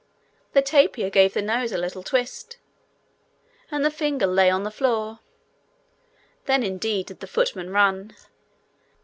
The tapir gave the nose a little twist, and the finger lay on the floor. Then indeed did the footman run.